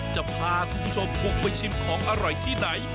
จะพาคุณผู้ชมบุกไปชิมของอร่อยที่ไหน